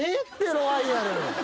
ロワイアル。